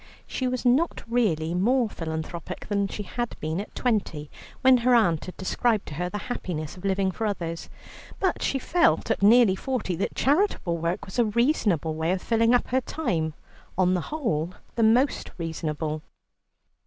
She was not really more philanthropic than she had been at twenty, when her aunt had described to her the happiness of living for others. But she felt at nearly forty that charitable work was a reasonable way of filling up her time, on the whole, the most reasonable.